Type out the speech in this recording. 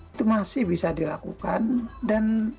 itu masih bisa dilakukan dan